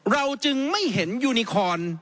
เราจึงไม่เห็นยูนิคอน